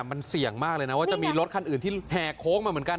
มันเสี่ยงมากเลยนะว่าจะมีรถคันอื่นที่แห่โค้งมาเหมือนกัน